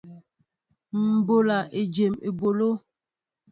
M ɓola éjem eɓoló.